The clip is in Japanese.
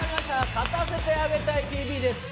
『勝たせてあげたいＴＶ』です。